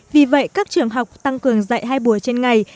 vì vậy các trường học tăng cường dạy hai buổi trên ngày